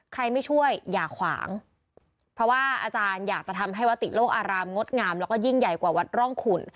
ใครไม่ช่วยอย่าขวางเพราะว่าอาจารย์อยากจะทำให้วติโลกอารามงดงามแล้วก็ยิ่งใหญ่กว่าวัดร่องขุน